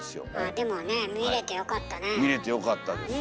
でもね見れてよかったね。